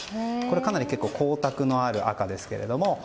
かなり結構光沢のある赤ですけど。